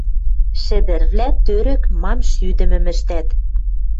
— Шӹдӹрвлӓ тӧрӧк мам шӱдӹмӹм ӹштӓт.